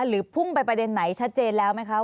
พุ่งไปประเด็นไหนชัดเจนแล้วไหมคะ